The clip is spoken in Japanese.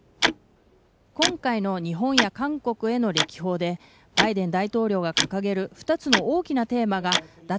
今回の日本や韓国への歴訪でバイデン大統領が掲げる２つの大きなテーマが脱